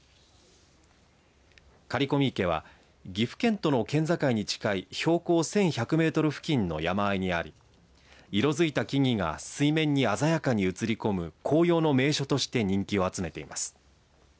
刈込池は岐阜県との県境に近い標高１１００メートル付近の山あいにあり色づいた木々が水面に鮮やかに映り込む紅葉の名所として人気を集めています。